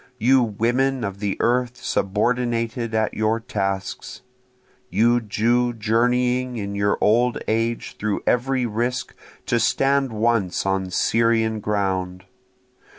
You women of the earth subordinated at your tasks! You Jew journeying in your old age through every risk to stand once on Syrian ground!